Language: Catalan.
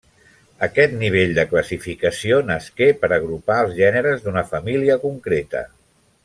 Aquest nivell de classificació nasqué per agrupar els gèneres d'una família concreta.